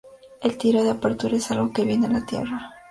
El tiro de apertura es algo que viene a la tierra.